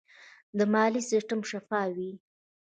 د مالیې سیستم شفاف وي.